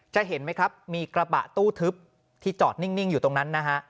เห็นไหมครับมีกระบะตู้ทึบที่จอดนิ่งอยู่ตรงนั้นนะฮะ